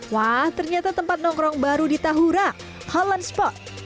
wah ternyata tempat nongkrong baru di tahura holen spot